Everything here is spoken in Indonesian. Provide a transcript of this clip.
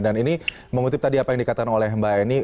dan ini mengutip tadi apa yang dikatakan oleh mbak eni